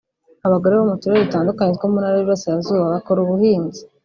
Abagore bo mu turere dutandukanye two mu Ntara y’Iburasirazuba bakora ubuhinzi